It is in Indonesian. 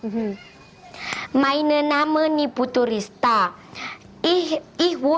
jerman ya kak pertama